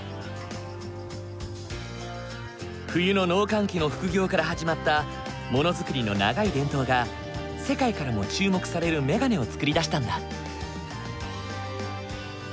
冬の農閑期の副業から始まったものづくりの長い伝統が世界からも注目されるメガネを作り出したんだ。